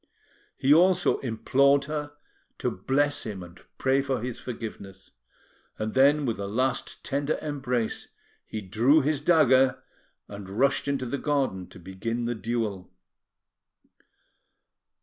He also implored her to bless him and pray for his forgiveness; and then, with a last tender embrace, he drew his dagger, and rushed into the garden to begin the duel.